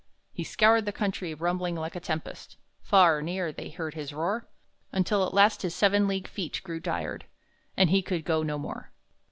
He scoured the country, rumbling like a tempest; Far, near, they heard his roar, Until at last his seven league feet grew tired, And he could go no more.